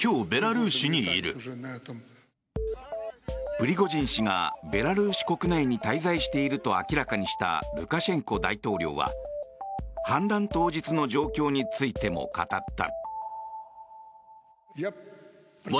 プリゴジン氏がベラルーシ国内に滞在していると明らかにしたルカシェンコ大統領は反乱当日の状況についても語った。